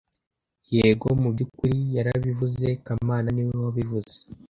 Yego, mu byukuri yarabivuze kamana niwe wabivuze